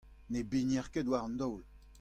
ne bigner ket war an daol.